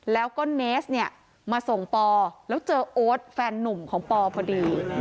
แล้วก็เนสเนี่ยมาส่งปอแล้วเจอโอ๊ตแฟนนุ่มของปอพอดี